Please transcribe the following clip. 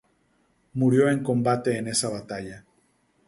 Murió en combate en esa batalla.